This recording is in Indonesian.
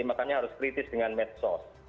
makanya harus kritis dengan medsos